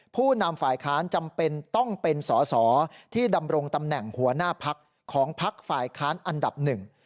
ผู้นำฝ่ายค้านจำเป็นต้องเป็นสอสอที่ดำรงตำแหน่งหัวหน้าพักของพักฝ่ายค้านอันดับหนึ่ง